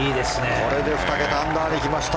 これで２桁アンダーに来ました。